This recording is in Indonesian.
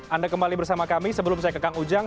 anda kembali bersama kami sebelum saya ke kang ujang